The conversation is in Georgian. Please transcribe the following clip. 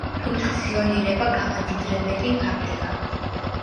ფუნქციონირებდა გამამდიდრებელი ფაბრიკა.